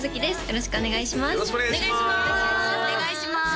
よろしくお願いします